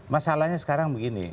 masalahnya sekarang begini